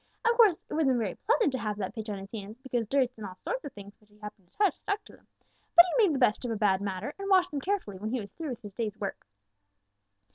Of course, it wasn't very pleasant to have that pitch on his hands, because dirt and all sorts of things which he happened to touch stuck to them, but he made the best of a bad matter and washed them carefully when he was through with his day's work.